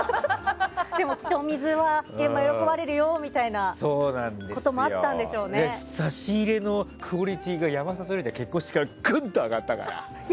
でもきっと、お水は現場、喜ばれるよみたいなことも差し入れのクオリティーが山里亮太、結婚してからグンと上がったから。